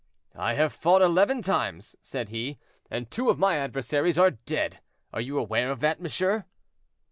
"I have fought eleven times," said he, "and two of my adversaries are dead. Are you aware of that, monsieur?"